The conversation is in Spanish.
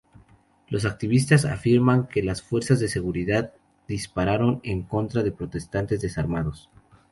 Los activistas afirman que las fuerzas de seguridad dispararon en contra de protestantes desarmados.